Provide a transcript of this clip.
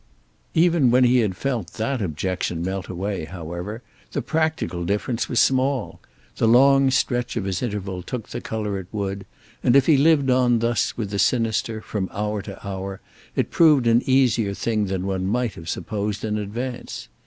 Even when he had felt that objection melt away, however, the practical difference was small; the long stretch of his interval took the colour it would, and if he lived on thus with the sinister from hour to hour it proved an easier thing than one might have supposed in advance.